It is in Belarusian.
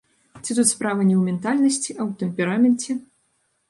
Ці тут справа не ў ментальнасці, а ў тэмпераменце?